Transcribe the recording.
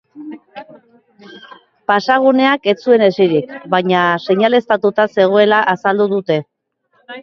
Pasaguneak ez zuen hesirik, baina seinaleztatuta zegoela azaldu dute.